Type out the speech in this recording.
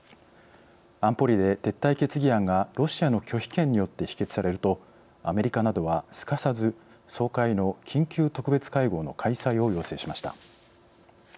安保理で撤退決議案がロシアの拒否権によって否決されると、アメリカなどはすかさず総会の緊急特別会合の開催を要請しました。